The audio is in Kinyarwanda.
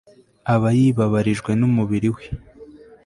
aba yibabarijwe n'umubiri we